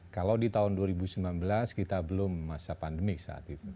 kalau di tahun dua ribu sembilan belas kita belum masa pandemik saat itu